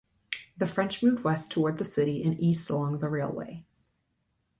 The French moved west toward the city and east along the railway.